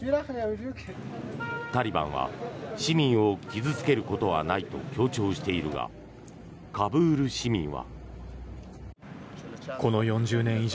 タリバンは市民を傷付けることはないと強調しているがカブール市民は。